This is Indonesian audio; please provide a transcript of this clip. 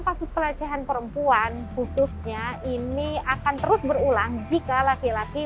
parents pemerintahan semua program kawasan kawasan daya derma